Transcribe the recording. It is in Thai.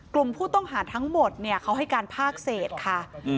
กลุ่มผู้ต้องหาทั้งหมดเขาให้การภาคเศษค่ะ